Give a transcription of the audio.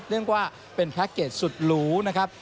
เรียกว่าเป็นแพ็คเกจสุดหรูนะครับ